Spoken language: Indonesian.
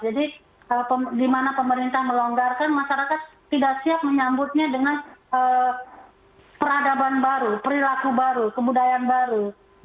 jadi di mana pemerintah melonggarkan masyarakat tidak siap menyambutnya dengan peradaban baru perilaku baru kebudayaan baru